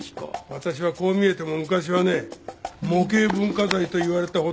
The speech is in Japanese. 私はこう見えても昔はね模型文化財といわれたほど。